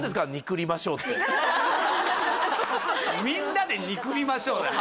「みんなで肉りましょう」